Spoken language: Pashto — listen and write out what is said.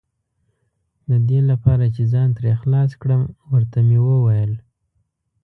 د دې لپاره چې ځان ترې خلاص کړم، ور ته مې وویل.